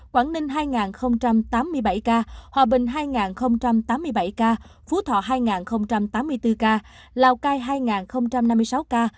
quảng ninh hai tám mươi bảy ca hòa bình hai tám mươi bảy ca phú thọ hai tám mươi bốn ca lào cai hai năm mươi sáu ca